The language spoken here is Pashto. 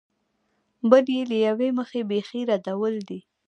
بل یې له یوې مخې بېخي ردول دي.